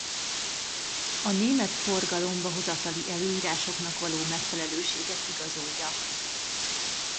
A német forgalomba-hozatali előírásoknak való megfelelőséget igazolja.